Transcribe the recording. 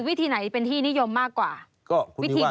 วิธีไหนเป็นที่นิยมมากกว่า